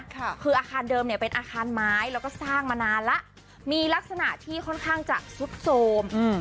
ค่ะคืออาคารเดิมเนี่ยเป็นอาคารไม้แล้วก็สร้างมานานแล้วมีลักษณะที่ค่อนข้างจะซุดโทรมอืม